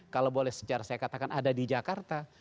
kalau boleh secara saya katakan ada di jakarta